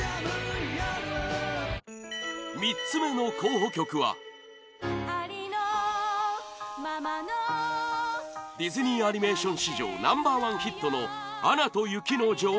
３つ目の候補曲はディズニーアニメーション史上ナンバー１ヒットの「アナと雪の女王」